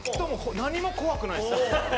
何も怖くないすね